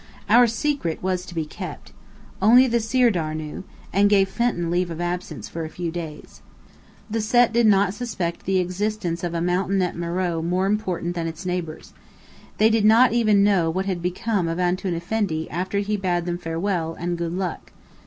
Our secret was to be kept. Only the Sirdar knew and gave Fenton leave of absence for a few days. The Set did not suspect the existence of a mountain at Meröe more important than its neighbours. They did not even know what had become of Antoun Effendi after he bade them farewell, and "good luck."